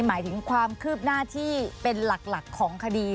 หมายถึงความคืบหน้าที่เป็นหลักของคดี